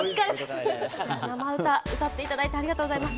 生歌歌っていただいてありがとうございます。